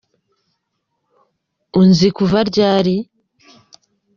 Unzi kuva ryari?